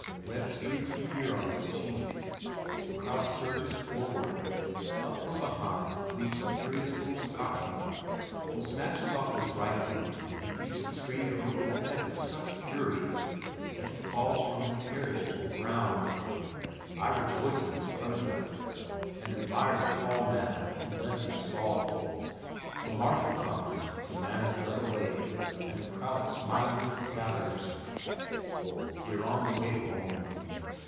Red streaks appear on his cheek. The crowd surges forward. Up from behind leaps a furious little Scotchman who snatches off his right boot and beats the stranger over the head with such fury that he falls from his carriage to the ground. I rejoice in his punishment, and admire the tall man who led the assault. The marshal comes, the man is led away, and the crowd smilingly scatters. We are on the way home.